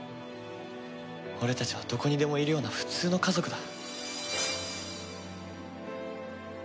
俺たちはどこにでもいるような普通の家族だ。